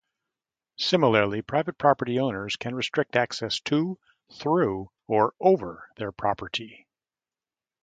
Similarly, private property owners can restrict access to, through, or over their property.